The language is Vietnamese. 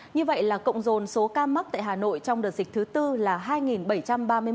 như vậy là cộng dồn số ca mắc tại hà nội trong đợt dịch thứ tư là hai bảy trăm ba mươi một ca